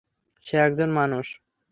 সে একজন মানুষ।